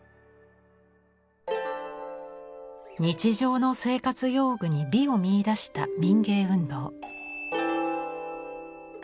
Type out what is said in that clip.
日常の生活用具に美を見いだした民藝運動。